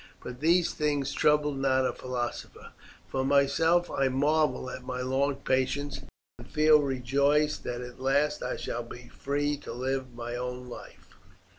But these things trouble not a philosopher; for myself I marvel at my long patience, and feel rejoiced that at last I shall be free to live my own life."